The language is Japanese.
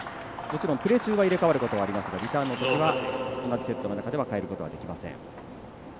プレー中は入れ代わることがありますがリターンのときは同じセットの中では変えることができません。